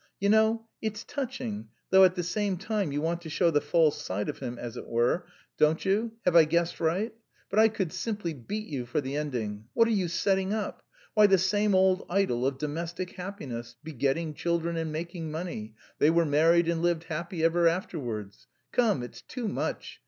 You know, it's touching, though at the same time you want to show the false side of him, as it were, don't you? Have I guessed right? But I could simply beat you for the ending. For what are you setting up? Why, the same old idol of domestic happiness, begetting children and making money; 'they were married and lived happy ever afterwards' come, it's too much!